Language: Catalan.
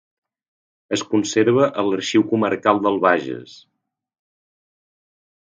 Es conserva a l'Arxiu Comarcal del Bages.